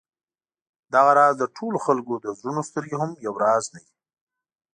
دغه راز د ټولو خلکو د زړونو سترګې هم یو راز نه دي.